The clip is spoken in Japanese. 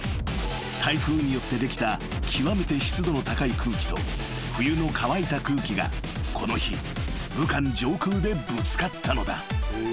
［台風によってできた極めて湿度の高い空気と冬の乾いた空気がこの日武漢上空でぶつかったのだ］